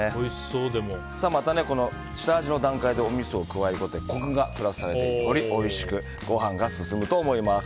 また、下味の段階でおみそを加えることでコクがプラスされてよりおいしくご飯が進むと思います。